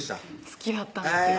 好きだったんですよ